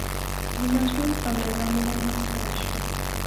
د مجنون او لېلا مینه مسخره شوه.